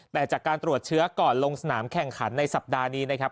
แต่จากการตรวจเชื้อก่อนลงสนามแข่งขันในสัปดาห์นี้นะครับ